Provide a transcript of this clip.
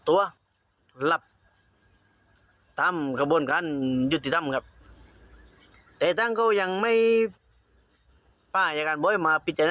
แต่อีกตั้งยังยังไม่ป้ายมาเป็นความเป็นพรุ่ง